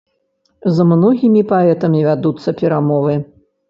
З многімі паэтамі вядуцца перамовы.